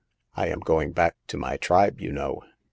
I am going back to my tribe, you know."